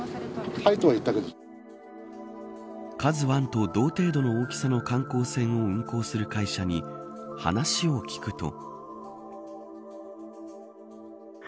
ＫＡＺＵ１と同程度の大きさの観光船を運航する会社に話を聞くと。